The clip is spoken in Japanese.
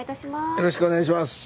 よろしくお願いします。